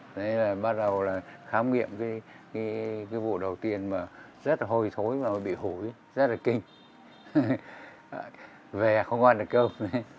cho nên là bắt đầu là khám nghiệm cái vụ đầu tiên mà rất là hồi thối mà bị hủy rất là kinh về không ăn được cơm